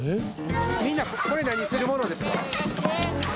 みんなこれ何するものですか？